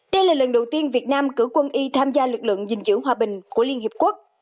đây là lần đầu tiên việt nam cử quân y tham gia lực lượng gìn giữ hòa bình của liên hiệp quốc